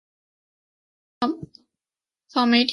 草莓听说不错